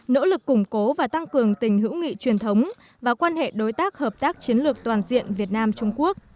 nỗ lực củng cố và tăng cường tình hữu nghị truyền thống và quan hệ đối tác hợp tác chiến lược toàn diện việt nam trung quốc